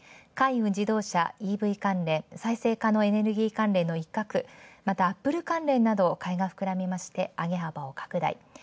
海運、自動車、ＥＶ、再生可能エネルギー関連の一角、またアップル関連など買いが膨らみまして上げ幅を拡大。